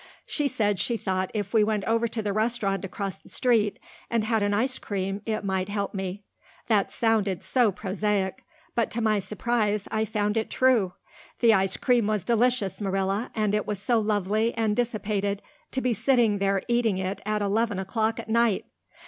She said she thought if we went over to the restaurant across the street and had an ice cream it might help me. That sounded so prosaic; but to my surprise I found it true. The ice cream was delicious, Marilla, and it was so lovely and dissipated to be sitting there eating it at eleven o'clock at night.